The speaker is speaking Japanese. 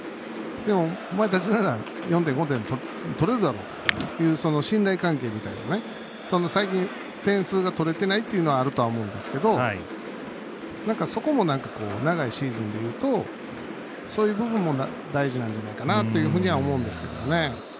お前たちなら４点、５点取れるだろという信頼関係みたいな最近、点数が取れてないというのはあると思うんですけどそこも、長いシーズンでいうとそういう部分も大事なんじゃないかなというふうに思うんですけどね。